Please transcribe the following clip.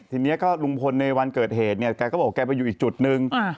ทีนี้ก็รุกเพราะในวันเกิดเหตุไว้อีกจุดหนึ่ง